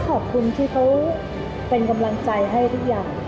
ขอบคุณที่เขาเป็นกำลังใจให้ทุกอย่าง